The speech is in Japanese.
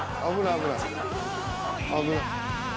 危ない。